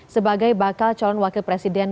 sebagai bakal calon wakil presiden